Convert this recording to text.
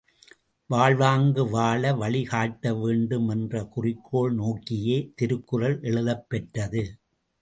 வாழ்வாங்கு வாழ வழி காட்ட வேண்டும் என்ற குறிக்கோள் நோக்கியே திருக்குறள் எழுதப் பெற்றது.